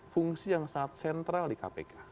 fungsi yang sangat sentral di kpk